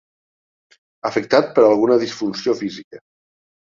Afectat per alguna disfunció física.